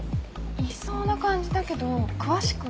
いそうな感じだけど詳しくは。